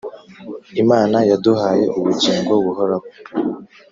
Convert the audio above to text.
Imana yaduhaye ubugingo buhoraho,